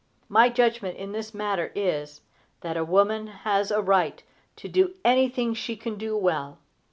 My judgment in this matter is, that a woman has a right to do anything she can do well.